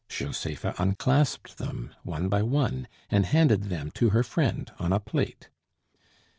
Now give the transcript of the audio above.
Josepha unclasped them one by one and handed them to her friend on a plate.